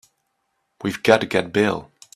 We've got to get bail.